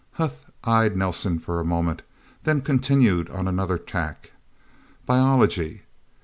Huth eyed Nelsen for a moment, then continued on another tack. "Biology...